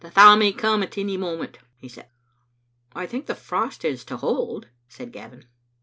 "The thaw may come at any moment," he said. " I think the frost is to hold," said Gavin.